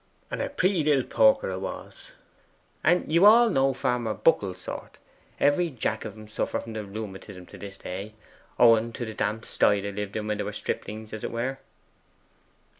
'And a pretty little porker 'a was. And you all know Farmer Buckle's sort? Every jack o' em suffer from the rheumatism to this day, owing to a damp sty they lived in when they were striplings, as 'twere.